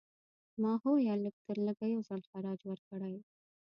ماهویه لږترلږه یو ځل خراج ورکړی.